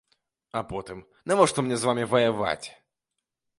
А потым, навошта мне з вамі ваяваць?